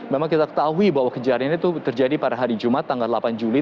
memang kita ketahui bahwa kejadian itu terjadi pada hari jumat tanggal delapan juli